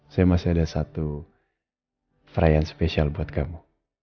saya masih ada satu perayaan spesial buat kamu